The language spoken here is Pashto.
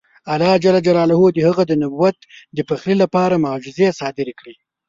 الله جل جلاله د هغه د نبوت د پخلي لپاره معجزې صادرې کړې.